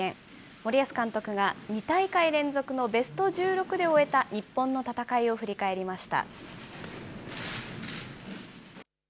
森保監督が２大会連続のベスト１６で終えた日本の戦いを振り返りました。